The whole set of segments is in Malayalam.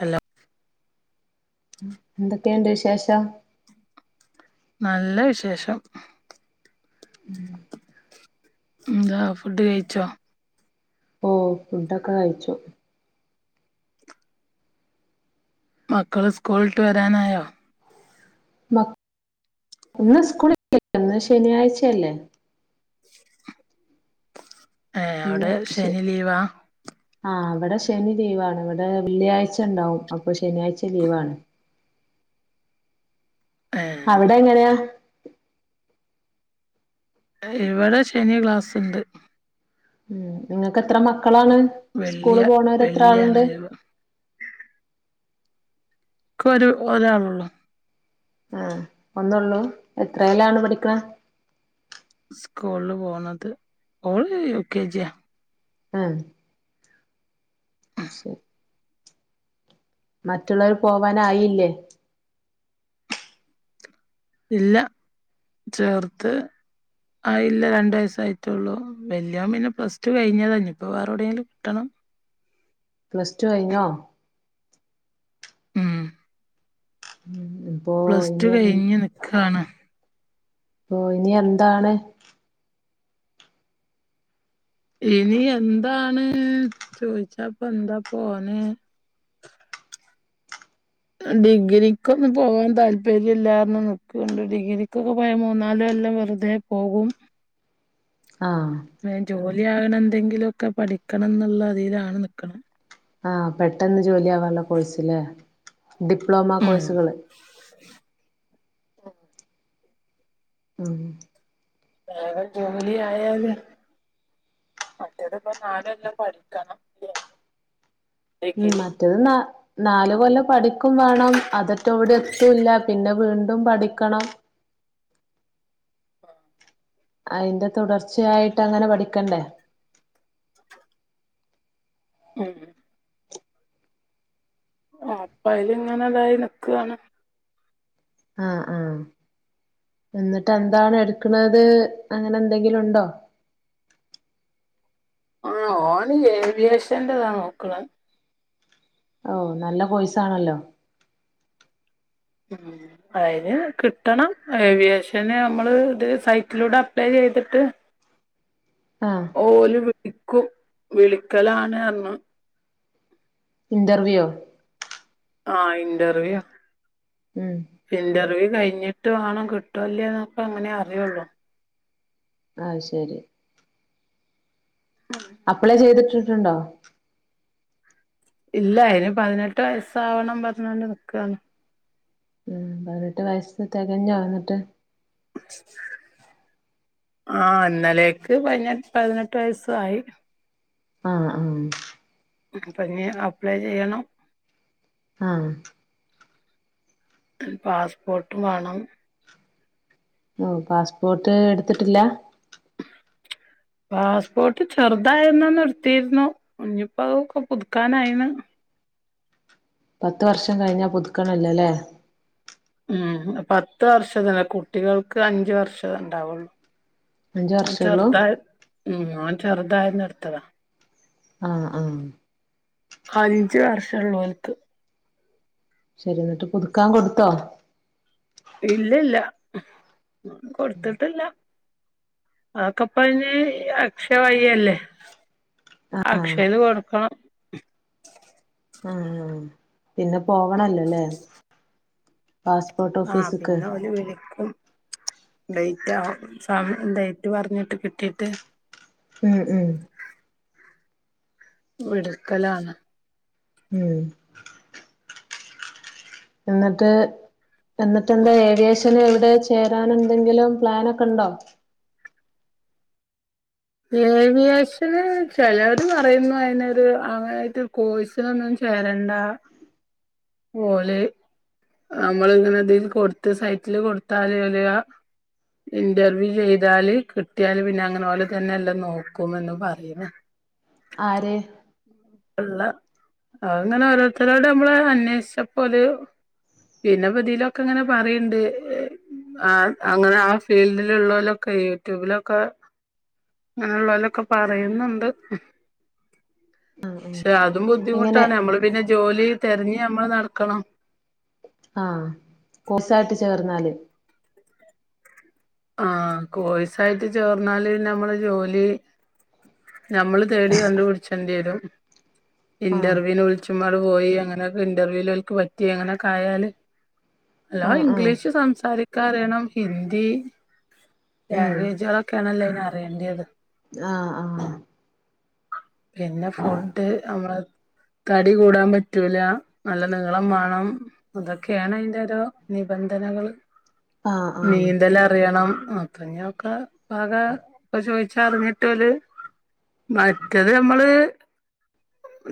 ഹലോ എന്തൊക്കെയുണ്ട് വിശേഷം നല്ല വിശേഷം ഉം എന്താ ഫുഡ് കഴിച്ചോ ഓ ഫുഡൊക്കെ കഴിച്ചു മക്കള് സ്കൂളിട്ട് വരാനായോ മ ഒന്ന് സ്കൂള ഒന്ന് ശനിയാഴ്ചയല്ലേ ഏ ഇന്ന് അവിടെ ശ ശനി ലീവാ ആ ഇവിടെ ശനി ലീവാണ് ഇവിടെ വെള്ളിയാഴ്ച ഉണ്ടാവും അപ്പൊ ശനിയാഴ്ച ലീവാണ് ഏ അവിടെ എങ്ങനെയാ ഇവിടെ ശനി ഗക്ലാസ്സ്ണ്ട് ഉ നിങ്ങക്ക് എത്ര മ മക്കളാണ് വെള്ളിയ സ്കൂള് പോണവര് എത്ര വെള്ളിയാണ് ആളുണ്ട് ഒഴിവ് ഒരു ഒരാളള്ളൂ ആഹ് ഒന്നൊള്ളൂ എത്രേലാണ് പഠിക്കണ സ്കൂള്ള് പോണത് ഓള് യുകെജി യാ ഏ ശരി മറ്റുള്ളവര് പോവാനായീല്ലേ ഇല്ല ചേർത്ത് ആയില്ല രണ്ട് വയസായിട്ടൊള്ളൂ വല്യാള് പിന്നെ പ്ലസ് ടു കഴിഞ്ഞതാ ഇന്നിപ്പോ വേറെ എവിടേലും കിട്ടണം പ്ലസ് ടു കഴിഞ്ഞോ ഉം ഉം പ്ലസ് ടു കഴിഞ്ഞ് നിക്ക്ആണ് ഓ ഇനി എന്താണ് ഇനി എന്താണ് ചോയിച്ചാപ്പൊ എന്താ പോനേ ഡിഗ്രിക്കൊന്നും പോവാൻ താല്പര്യം ഇല്ലാറഞ്ഞ് നിക്ക്ണ്ട് ഡിഗ്രിക്കൊക്കെ പോയാ മൂന്നാലു കൊല്ലം വെറുതേ പോകും ആഹ് ലിയാക്ണെന്തെങ്കിലു ഒക്കെ പഠിക്കണംന്ന്ള്ളതീലാണ് നിക്ക്ണ് ആഹ് പെട്ടെന്ന് ജോലിയാവാൻള്ള കോഴ്സ് ല്ലേ ഡിപ്ലോമാ ഉം കോഴ്സുകള് ഉം വേഗം ജോലി ആയാല് മറ്റേത്പ്പ നാലൊല്ലം പഠിക്കണം ഡി ഉം മറ്റത് നാ നാല് കൊല്ലം പഠിക്കുവാണം അതറ്റോയെവിടെം എത്തൂല്ല പിന്നെ വീ ണ്ടും പഠിക്കണം ആഹ് അയിന്റെ തുടർച്ചയായിട്ടങ്ങനെ പഠിക്കണ്ടേ ഉം ആ അപ്പ അയിലിങ്ങനതായി നിക്കാണ് ആഹ് ആഹ് എന്നിട്ടെന്താണെടുക്ക്ണത് അങ്ങനെ എന്തെങ്കിലുണ്ടോ ആഹ് ഓന് ഏവിയേഷൻ്റതാ നോക്ക്ണ് ഓ നല്ല കോഴ്സാണല്ലോ ഉം അയിന് കിട്ടണം ഏവിയേഷന് നമ്മള് ഇത് സൈറ്റിലൂട അപ്ലൈയ്തിട്ട് ആഹ് ഓല് വിളി ക്കും വിളിക്കലാണ്റ്ഞ്ഞു ഇന്റർവ്യൊ ആഹ് ഇന്റർവ്യൂ ഉം ഇൻ്റർവ്യൂ കഴിഞ്ഞിട്ട് വാണം കിട്ടോല്ല്യെന്നൊക്കെ അങ്ങനേ അറിയൊള്ളൂ അത് ശരി അപ്ലൈ ചെയ്തിട്ട് ട്ട്ണ്ടോ ഇല്ല അയിന് പതിനെട്ട് വയസ്സാവണം പറഞ്ഞാണ്ട് നിക്കാണ് ഉം പതിനെട്ട് വയസ്സ് തെകഞ്ഞൊന്നിട്ട് ആ ഇന്നലേക്ക് പയിഞ്ഞെ പതിനെട്ട് വയസായി ആ ആ അപ്പൊഞ്ഞ് അപ്ലൈ ചെയ്യണം ആഹ് പാസ്പോർട്ട് വാണം മ് പാസ്പോർട്ട് എടുത്തിട്ടില്ല പാസ്പോർട്ട് ചെറുതായിരുന്നന്ന് എടുത്തിരുന്നു ഇഞ്ഞിപ്പോ അതൊക്കെ പുതുക്കാനായിന്ന് പത്ത് വർഷം കഴിഞ്ഞാ പുതുക്കണല്ലോല്ലേ ഉം പത്ത് വർഷത്തിലല്ല കുട്ടികൾക്ക് അഞ്ച് വർഷെ ഇണ്ടാവുള്ളൂ അഞ്ച് ഓന് വർഷള്ളൂ ചെറുതായി ഉം ഓന് ചെറുതായന്ന് എടുത്തതാ ആ ആ അഞ്ച് വർഷള്ളു ഓല്ക്ക് ശരി എന്നിട്ട് പുതുക്കാൻ കൊടുത്തോ ഇല്ലില്ല കൊടുത്തിട്ടില്ല ആ ഒക്കപ്പയിന് അക്ഷയ വഴിയല്ലേ ആഹ് അക്ഷയില് കൊടുക്കണം [unintelligible] ആ ആ പിന്നെ പോവണല്ലൊല്ലേ ആ പിന്നെ അവരു വിളിക്കും ഡേറ്റ് ആ എക്സാമ് ഡേറ്റ് പറഞ്ഞിട്ട് കിട്ടിട്ട് ഉം ഉം [unintelligible] ഉം. എന്നിട്ട് എന്നിട്ടെന്താ ഏവിയേശ [unintelligible] എവിടെ ചേരാൻ എന്തെങ്കിലും പ്ലാനൊക്കെ ഉണ്ടോ? ഏവിയേഷന് ചെലര് പറയുന്നു അതിനൊരു അങ്ങനായിട്ട് കോഴ്സിനൊന്നും ചേരണ്ട പൊല് നമ്മള് ഇങ്ങനെ അതിന്ന് കൊടുത്ത് സൈറ്റില് കൊടുത്താല് വരിക, ഇന്റർവ്യൂ ചെയ്താല് കിട്ടിയാല് പിന്നെ അങ്ങനെ പോലെ തന്നെ എല്ലാം നോക്കും എന്ന് പറയുന്നു. ആര്? [unintelligible] അങ്ങനെ ഓരോത്തരോട് നമ്മള് അന്വേഷിച്ചപ്പോ ഒരു പിന്നെ [unintelligible] ഇങ്ങനെ പറയുണ്ട് ആ അങ്ങനെ ആ ഫീൽഡിലുള്ളവലൊക്കെ യൂട്യൂബിലൊക്കെ അങ്ങനുള്ളവലൊക്കെ പറയുന്നുണ്ട്. [unintelligible] അതും എങ്ങനെ ബുദ്ധിമുട്ടാണ് നമ്മള് പിന്നെ ജോലി തെരഞ്ഞ് നമ്മള് നടക്കണം. ആ കോഴ്സായിട്ട് ചേർന്നാല് ആഹ്, കോഴ്സ് ആയിട്ട് ചേർന്നാല് നമ്മളെ ജോലി ഞമ്മള് തേടി കണ്ടുപിടിച്ചേണ്ടി വരും, ആഹ് ഇന്റർവ്യൂവിന് വിളിച്ചും പാട് പോയി അങ്ങനെയൊക്കെ ഇന്റർവ്യൂൽ ഓൽക്ക് പറ്റി അങ്ങനൊക്കെ ആയല്, അല്ലാതെ ആഹ് ആഹ് ഇംഗ്ലീഷ് സംസാരിക്കാൻ അറിയണം ഹിന്ദി ഉം ലാംഗ്വേജ്കളൊക്കെയാണല്ലോ ഇനി അറിയേണ്ടിയത് ആ ആ പിന്നെ ഫുഡ് നമ്മള് തടി കൂടാൻ പറ്റൂല നല്ല നീളം വേണം അതൊക്കെയാണ് അതിന്റെ ഓരോ നിബന്ധനകള്. ആഹ് ആഹ് നീന്തല് അറിയണം. മത്തങ്ങയൊക്കെ [unintelligible] ഇപ്പൊ ചോദിച്ചാ അറിഞ്ഞിട്ട് ഓല്. മറ്റതു നമ്മള്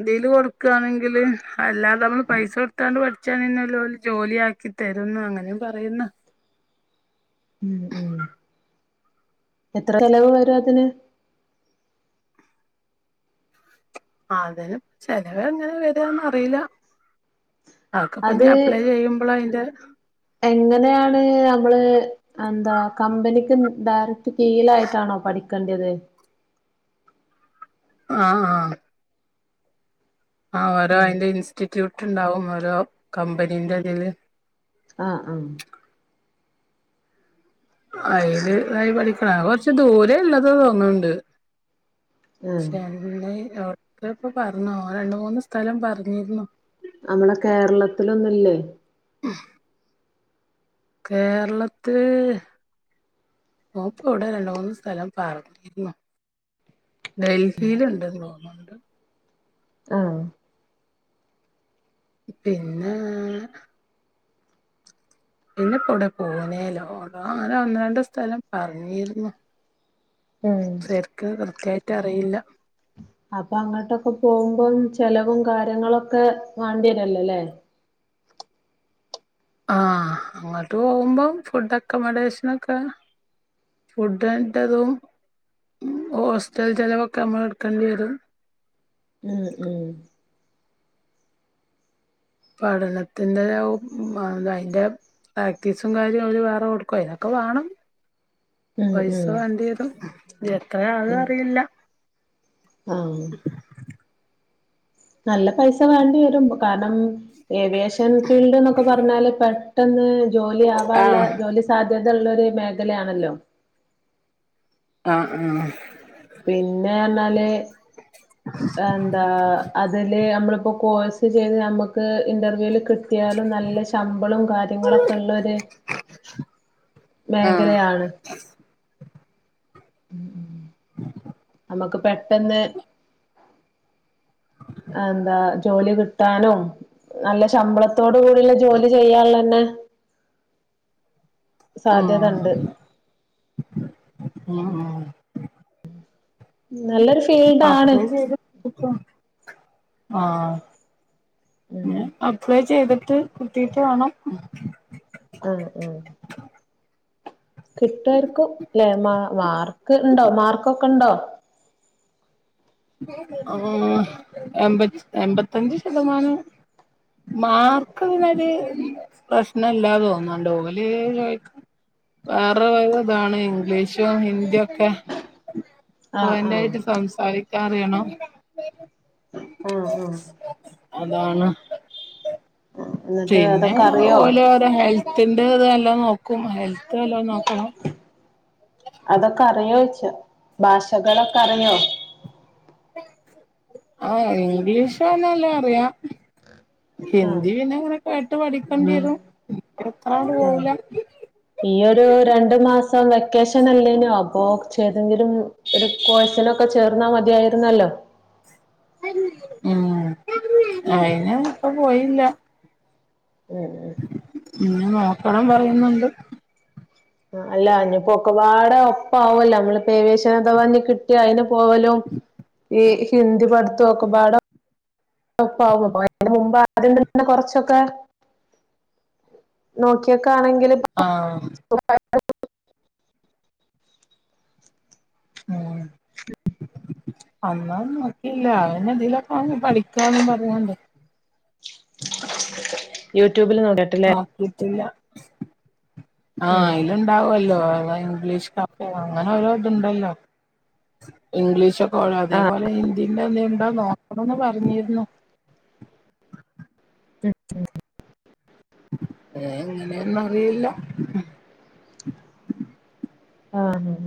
ഇതില് കൊടുക്കാണെങ്കില് അല്ലാതെ നമ്മള് പൈസ കൊടുത്താണ്ട് പഠിച്ചാണെന്നലോല് ജോലി ആക്കി തരൂന്ന് അങ്ങനെയും പറയുന്ന്. ഉം.. ഉം എത്ര ചെലവ് വരു അതിന്? അതിന് ചിലവെങ്ങനെ വരുവെന്നറീല്ല. അത്, എങ്ങനെയാണ് നമ്മള് എന്താ കമ്പനിക്ക് നി ദാറ് കീഴിലായിട്ടാണോ പഠി ക്കണ്ട്യത്. അ... ആ ആ.. ഓരോ ഉം അയിന്റെ ഇൻസ്റ്റിറ്റ്യൂ ട്ട്ണ്ടാവും ഓരോ കമ്പനീന്റെ ഇതില്. അ.. ആ.. അയിലുതായി പഠിക്കണം, അത് കൊറച്ച് ദൂരള്ളതു തോന്ന്ണ്ട്. ആഹ് [unintelligible] ലോൺ അഇപ്പോ പറഞ്ഞോൻ, രണ്ടുമൂന്ന് സ്ഥലം പറഞ്ഞിരുന്നു. നമ്മുടെ കേരളത്തിലൊന്നുല്ലേ? ഹും കേരളത്തില് ഓൻപ്പൊവ്ടെ രണ്ടുമൂന്ന് സ്ഥലം പറഞ്ഞിരുന്നു. ഡൽഹിയിലുണ്ടെന്ന് തോന്ന്ണ്ട്. ആ.. പിന്നേ പിന്നെയിപ്പോയിവിടെ പൂനേലോ, ഒന്നോ, ഒന്നുരണ്ടുസ്ഥല പറഞ്ഞിരുന്നു. ഉം.. ശരിക്ക് കൃത്യായിട്ട് അറിയില്ല അപ്പൊ അങ്ങോട്ടൊക്കെ പോകുമ്പം ചെലവും കാര്യങ്ങളൊക്കെ വേണ്ടി വരില്ലല്ലേ ആ.. അങ്ങോട്ട് പോകുമ്പം ഫുഡ് അക്കോമഡേഷനൊക്കെഫുഡിന്റേതും ഹോസ്റ്റൽ ചിലവൊക്കെ നമ്മളെടുക്കേണ്ടിവരും. ഉം.. ഉം പഠനത്തിന്റെയുംഅതിന്റെ പ്രാക്ടീസും കാര്യവും അവരു വേറെ കൊടുക്കും. അതിനൊക്കെവേണം ഉം ഉം പൈസവേണ്ടിവരും, ഉം എത്രആണെന്നറിയില്ല. നല്ലപൈസ വേണ്ടി വരുമ്പോ കാരണം ഏവിയേഷൻ ഫീൽഡെന്നൊക്കെ പറഞ്ഞാല്‌പെട്ടെന്ന് ജോലിയാവാനുള്ള ആഹ് ജോലി സാധ്യതയുള്ളൊരു മേഖലയാണല്ലോ ആഹ്.. ആ.. പിന്നെയെന്നാല് എന്തായതില് നമ്മള് പെ ഇപ്പോകോഴ്സ് ചെയ്ത് നമ്മുക്ക് ഇന്റർവ്യൂവില് കിട്ടിയാലും നല്ലശമ്പളം കാര്യങ്ങളൊക്കെയുള്ളൊരു, ആഹ് ആഹ് മേഖലയാണ്. നമുക്ക്പെട്ടെന്ന് എന്താ, ജോലി കിട്ടാനും. നല്ല ശമ്പളത്തോടുകൂടിയുള്ള ജോലിചെയ്യാൻതന്നെ സാധ്യതയുണ്ട്. ആഹ് ഉം ഉം നല്ലൊരുഫീൽഡാണ്. ആഹ ഉം അപ്ലൈ ചെയ്ത കുത്ത് കുത്തിീയിട്ട വണോ ആഹ ഉഹ കിട്ടുരിക്കും അല്ലെ മാ മാർക്ക് ഇണ്ടോ മാർക്കൊക്കെ ഇണ്ടോ ആ എമ്പത്തി എമ്പത്തഞ്ച ശതമാനം മാർക്ക്തിനൊരു പ്രശ്ന ഇല്ലാതെ തോന്നുന്നു ഡോോഗലിോ വേറെ ഇതാണ് ഇംഗ്ലീഷും ഹിന്ദിയ ഒക്കെ ആഹ് ആഹ് എറായിട്ട് സംസാരിക്കും കറിയണോ ആഹ ആഹ അതാണ് എന്നിട്ട് പിന്നെ അതൊക്കെ അറിയോ ഓലോ ഓരോ ഹെൽത്തിന്റെ ഇതെല്ലാം നോക്ക ഹെൽത്ത് എല്ലോ നോക്ക ആ അതൊക്കെ അറിയോ ഭാഷകളൊക്കെ അറിയോ ആഹ ഇംഗ്ലീഷോന്നല്ലാം അറിയാം ആഹ് ഹിന്ദി പിന്നെ ഇനെ കേട്ട് പഠിക്കേണ്ടി വരും എനി എത്രാണ് ആഹ് പോല സ വെക്കേഷൻ അല്ലേനോ അപ്പൊ ചെയ്തെങ്കിലും ഒരു കോഴ്സില ഒക്കെ ചേർന്നാ മതിയായിരുന്നല്ലോ ഉ അയിന് ഇപ്പ പോയില്ല ഉം ഉ ഇന്നെ നോക്കണം പറയുന്നുണ്ട് അല്ല അനിപ്പോൊ ഒെപാട ഒപ്പ ആവല്ല നമ്മള് പേവേശനഥവാന്നി കിട്ടിയ അയിന് പോവലോ ഈ ഹിന്ദി പഠത്തും ഒക്കെപാട പ്പ അന്റെ മുമ്പ് അണ്ടന്ന കൊറച്ചൊക്കെ നോക്കിയൊക്കെ ആണെങ്ക ആഹ് [unintelligible] ഉം അന്ന നോക്കിയില്ല അവന് ഇതിലൊക്ക പഠിക്കന്നും പറഞ്ഞോട് യൂ യട്യൂബിൽ നോട കേട്ടല്ലേ [unintelligible] ആഹ് അതിലുണ്ടാവല്ലോ ഇംഗ്ലീഷ്ക്ക അങ്ങനെ ഓരോ ഇതുണ്ടല്ലോ ഇംഗ്ലീഷ്ൊക്കെ ആഹ് അതേപോലെ ഹിന്ദീന്റെ എന്ത ഉണ്ടോ നോക്കണംന്ന് പറഞ്ഞിരുന്നു ഏ എങ്ങനെയൊന്നും അറിയില്ല ആഹ്